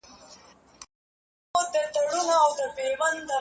ترګي كه نور هيڅ نه وي خو بيا هم خواخوږي ښيي